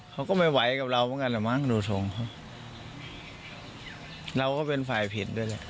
เขาก็ไม่ไหวกับเราด้วยเราก็เป็นฝ่ายผิด